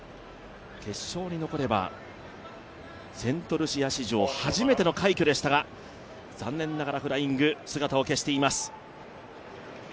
決勝に残ればセントルシア史上初めての快挙でしたが残念ながらフライングで姿を消しています。